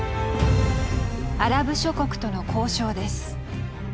アラブ諸国との交渉です。